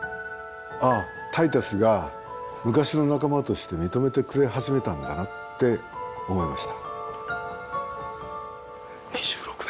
「ああタイタスが昔の仲間として認めてくれ始めたんだな」って思いました。